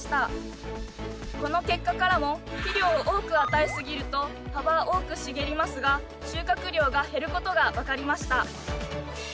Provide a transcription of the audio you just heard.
この結果からも肥料を多く与えすぎると葉は多く茂りますが収穫量が減ることが分かりました。